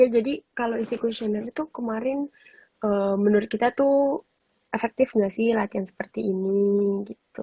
ya jadi kalau isi questionnaire itu kemarin menurut kita tuh efektif nggak sih latihan seperti ini gitu